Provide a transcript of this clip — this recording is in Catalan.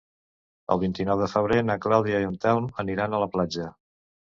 El vint-i-nou de febrer na Clàudia i en Telm aniran a la platja.